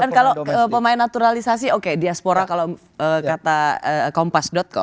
dan kalau pemain naturalisasi oke diaspora kalau kata kompas com